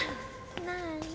なあに？